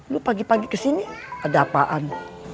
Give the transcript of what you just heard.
lu pagi pagi kesini ada apaan